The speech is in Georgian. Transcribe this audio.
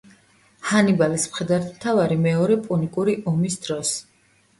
ჰანიბალის მხედართმთავარი მეორე პუნიკური ომის დროს.